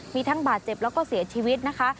มีทั้งบาดเจ็บแล้วก็เสียชีวิตนะคะ